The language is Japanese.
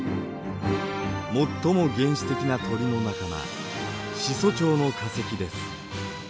最も原始的な鳥の仲間始祖鳥の化石です。